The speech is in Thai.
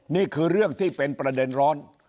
นี่คือเรื่องที่เป็นประเด็นร้อน